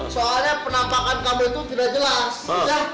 soalnya penampakan kamu itu tidak jelas